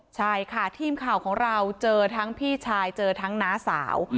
ใช่ค่ะทีมข่าวของเราเจอทั้งพี่ชายเจอทั้งน้าสาว